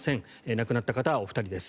亡くなった方はお二人です。